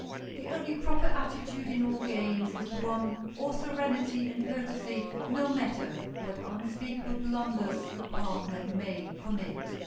The only proper attitude in all games is one or serenity and courtesy no matter what unspeakable blunders your partner may commit.